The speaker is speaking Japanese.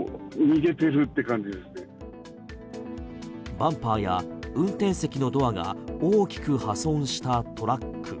バンパーや運転席のドアが大きく破損したトラック。